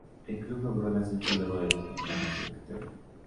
El club logró el ascenso luego de dos temporadas en la categoría.